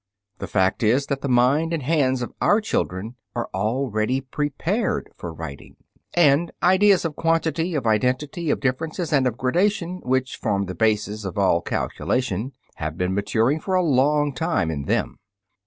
The fact is that the minds and hands of our children are already prepared for writing, and ideas of quantity, of identity, of differences, and of gradation, which form the bases of all calculation, have been maturing for a long time in them.